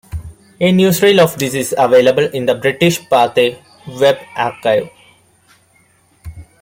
A newsreel of this is available in the British Pathe web archive.